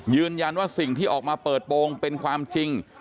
ยืนยันว่าสิ่งที่ออกมาเปิดโปรงเป็นความจริง